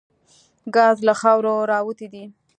ګاز له خاورو راوتي دي.